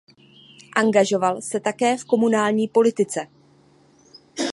Angažoval se také v komunální politice.